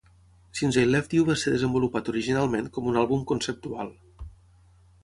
"Since I Left You" va ser desenvolupat originalment com un àlbum conceptual.